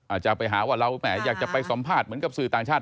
อาจจะไปหาว่าเราแหมอยากจะไปสัมภาษณ์เหมือนกับสื่อต่างชาติ